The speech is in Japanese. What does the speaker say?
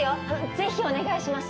ぜひお願いします